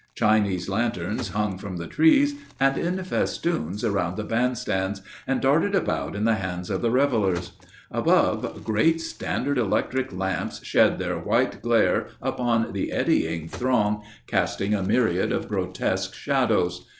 Chinese lanterns hung from the trees and in festoons around the bandstands and darted about in the hands of the revellers. Above, great standard electric lamps shed their white glare upon the eddying throng casting a myriad of grotesque shadows.